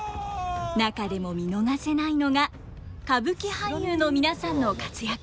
中でも見逃せないのが歌舞伎俳優の皆さんの活躍ぶり。